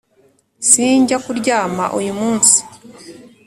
"sinjya, kuryama uyu munsi